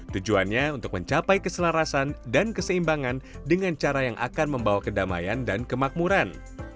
tujuannya untuk mencapai keselarasan dan keseimbangan dengan cara yang akan membawa kedamaian dan kemakmuran